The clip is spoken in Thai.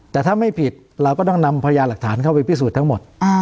แต่ถ้าไม่ผิดเราก็ต้องนำพยานหลักฐานเข้าไปพิสูจน์ทั้งหมด